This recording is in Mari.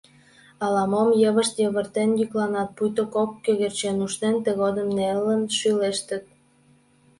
Ала-мом йывышт йывыртен йӱкланат, пуйто кок кӧгӧрчен ушнен, тыгодым нелын шӱлештыт...